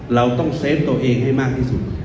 เราต้องเซฟตัวเองให้มากที่สุด